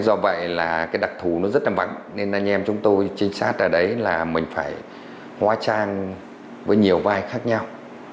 do vậy là cái đặc thù nó rất là vắng nên anh em chúng tôi trinh sát ở đấy là mình phải hóa trang với nhiều vai khác nhau